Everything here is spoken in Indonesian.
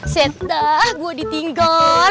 set dah gue ditinggal